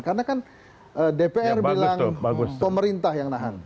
karena kan dpr bilang pemerintah yang menahan